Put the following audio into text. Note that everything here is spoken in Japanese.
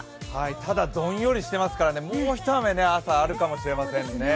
ただどんよりしていますからもう一雨、朝あるかもしれませんね。